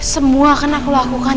semua kan aku lakukan